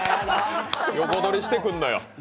横取りしてくんのよ。